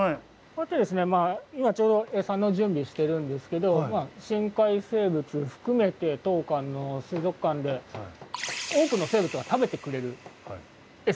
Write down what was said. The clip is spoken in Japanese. こうやってですね今ちょうど餌の準備してるんですけど深海生物含めて当館の水族館で多くの生物が食べてくれる餌があるんですね。